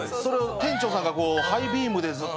店長さんがこう、ハイビームで、ずっと。